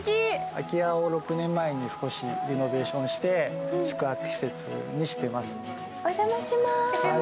空き家を６年前に少しリノベーションして、宿泊施設にしてます。